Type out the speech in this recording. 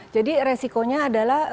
jadi risikonya adalah